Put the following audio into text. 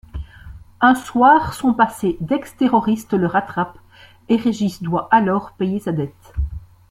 Un soir, son passé d'ex-terroriste le rattrape et Régis doit alors payer sa dette.